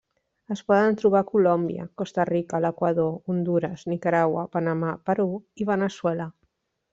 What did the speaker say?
Es poden trobar a Colòmbia, Costa Rica, l'Equador, Hondures, Nicaragua, Panamà, Perú i Veneçuela.